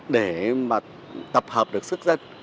để mà tập hợp được sức dân